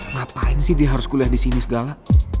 ngapain sih dia harus kuliah disini segala